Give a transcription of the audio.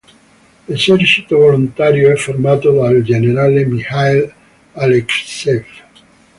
L'esercito volontario è formato dal generale Mikhail Alekseev.